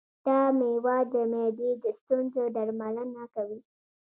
دا مېوه د معدې د ستونزو درملنه کوي.